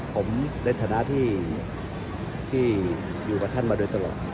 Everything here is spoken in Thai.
ผมในฐานะที่อยู่กับท่านมาโดยตลอด